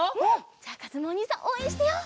じゃあかずむおにいさんおうえんしてよう。